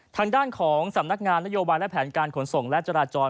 ทางด้านของสำนักงานนโยบายและแผนการขนส่งและจราจร